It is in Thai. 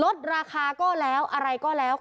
ลดราคาก็แล้วอะไรก็แล้ว